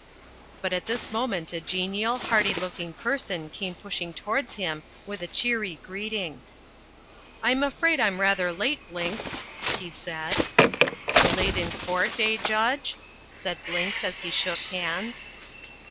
But at this moment a genial, hearty looking person came pushing towards him with a cheery greeting. "I'm afraid I'm rather late, Blinks," he said. "Delayed in court, eh, Judge?" said Blinks as he shook hands.